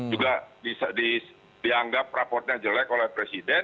juga dianggap raportnya jelek oleh presiden